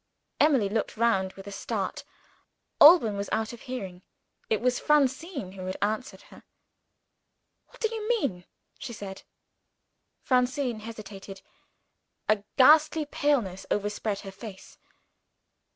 Emily looked round with a start. Alban was out of hearing. It was Francine who had answered her. "What do you mean?" she said. Francine hesitated. A ghastly paleness overspread her face.